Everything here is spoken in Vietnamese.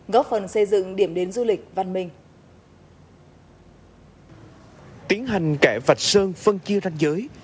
góp phần xây dựng điểm đến du lịch văn minh tiến hành kẻ vạch sơn phân chia ranh giới